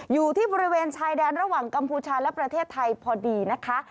อยู่ที่บริเวณชายแดนระหว่างกัมพูชาและประเทศไทยพอดีนะคะ